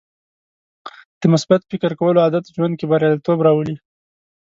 د مثبت فکر کولو عادت ژوند کې بریالیتوب راولي.